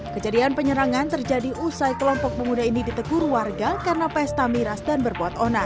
kejadian penyerangan terjadi usai kelompok pengguna ini di tegur warga karena pesta miras dan berbuat onan